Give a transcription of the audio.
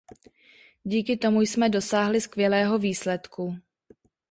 Díky tomu jsme dosáhli skvělého výsledku.